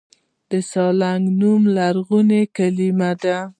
د سالنګ نوم له لرغونو کلمو دی